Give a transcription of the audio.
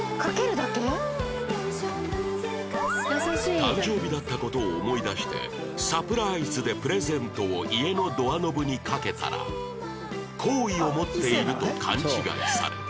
誕生日だった事を思い出してサプライズでプレゼントを家のドアノブに掛けたら好意を持っていると勘違いされた